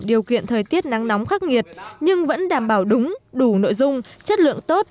điều kiện thời tiết nắng nóng khắc nghiệt nhưng vẫn đảm bảo đúng đủ nội dung chất lượng tốt